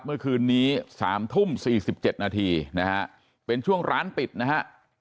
เมื่อคืนนี้๓ทุ่ม๔๗นาทีนะฮะเป็นช่วงร้านปิดนะฮะ